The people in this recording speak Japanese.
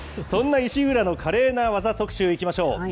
そんな石浦の華麗な技特集、いきましょう。